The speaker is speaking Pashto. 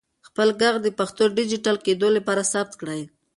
خپل ږغ د پښتو د ډیجیټل کېدو لپاره ثبت کړئ.